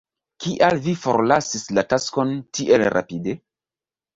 Kial vi forlasis la taskon tiel rapide?